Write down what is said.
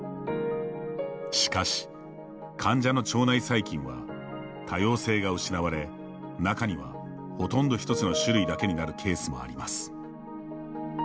しかし、患者の腸内細菌は多様性が失われ、中にはほとんど１つの種類だけになるケースもあります。